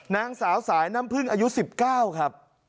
นางสาวสายน้ำพึ่งอายุ๑๙ครับ